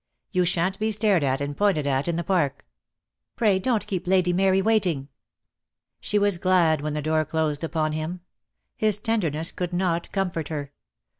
You shan't be stared at and pointed at in the Park." "Pray don't keep Lady Mary waiting." She was glad when the door closed upon him. His tenderness could not comfort her.